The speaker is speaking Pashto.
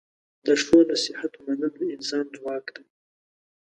د ښو نصیحت منل د انسان ځواک دی.